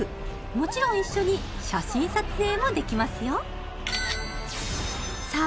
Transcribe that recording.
もちろん一緒に写真撮影もできますよさあ